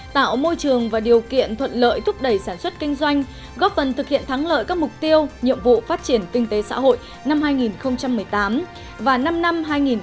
tạo môi trường và điều kiện thuận lợi thúc đẩy sản xuất kinh doanh góp phần thực hiện thắng lợi các mục tiêu nhiệm vụ phát triển kinh tế xã hội năm hai nghìn một mươi tám và năm năm hai nghìn một mươi sáu hai nghìn hai mươi